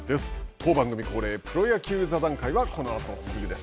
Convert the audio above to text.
当番組恒例、プロ野球座談会はこのあとすぐ。